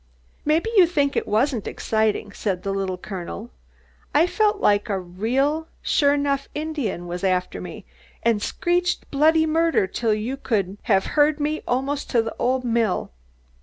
"Maybe you think it wasn't excitin'," said the Little Colonel. "I felt like a real suah 'nuff Indian was aftah me, and I screeched bloody murdah till you could have heard me almost to the old mill."